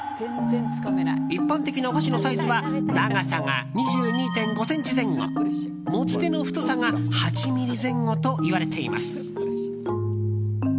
一般的なお箸のサイズは長さが２２．５ｃｍ前後持ち手の太さが８ｍｍ前後といわれています。